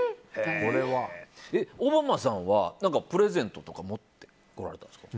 オバマさんはプレゼントとか持ってこられたんですか？